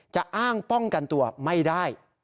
จะอ้างป้องกันตัวไม่ได้